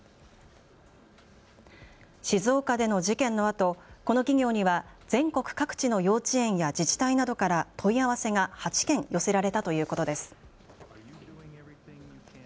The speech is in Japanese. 静岡での事件のあとこの企業には全国各地の幼稚園や自治体などから問い合わせが８件、寄せられたということです。